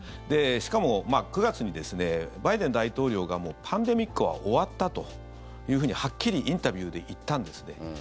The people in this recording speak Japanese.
しかも、９月にバイデン大統領がパンデミックは終わったというふうにはっきりインタビューで言ったんですね。